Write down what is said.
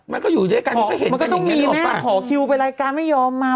มันก็อยู่ด้วยกันก็เห็นมันก็ต้องมีแม่ขอคิวไปรายการไม่ยอมมา